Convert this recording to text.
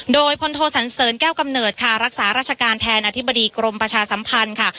โดยพลโทสันเสริญแก้วกำเนิดค่ะรักษาราชการแทนอธิบดีกรมประชาสัมพันธ์ค่ะ